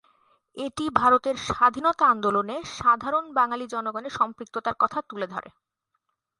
এটি ভারতের স্বাধীনতা আন্দোলনে সাধারণ বাঙালি জনগণের সম্পৃক্ততার কথা তুলে ধরে।